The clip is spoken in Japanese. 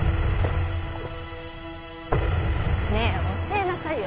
ねえ教えなさいよ。